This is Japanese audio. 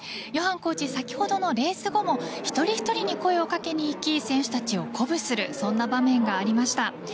ヨハンコーチは先ほど、レース後も一人ひとりに声をかけにいき選手たちを鼓舞するそんな場面がありました。